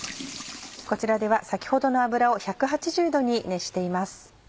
こちらでは先ほどの油を１８０℃に熱しています。